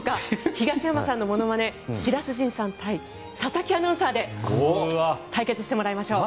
東山さんのものまね白洲迅さん対佐々木アナウンサーで対決してもらいましょう。